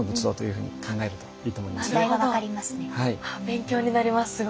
勉強になります